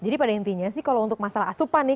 jadi pada intinya sih kalau untuk masalah asupan nih